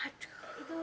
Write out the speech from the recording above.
nanti aku nunggu